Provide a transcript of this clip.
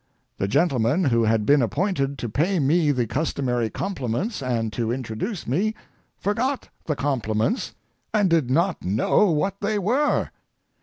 The gentleman who had been appointed to pay me the customary compliments and to introduce me forgot the compliments, and did not know what they were.